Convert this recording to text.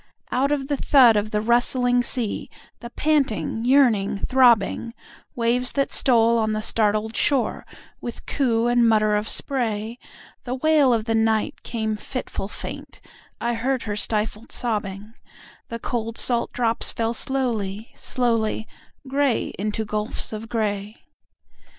Out of the thud of the rustling sea—the panting, yearning, throbbingWaves that stole on the startled shore, with coo and mutter of spray—The wail of the Night came fitful faint,—I heard her stifled sobbing:The cold salt drops fell slowly, slowly, gray into gulfs of gray.